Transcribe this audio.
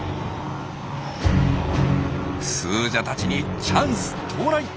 スージャたちにチャンス到来！